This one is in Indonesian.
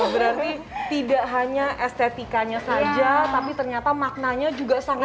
berarti tidak hanya estetikanya saja tapi ternyata maknanya juga sangat